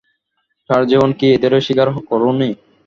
সারাটাজীবন কি এদেরই শিকার করোনি?